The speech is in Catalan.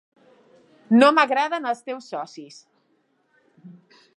No m'agraden els teus socis.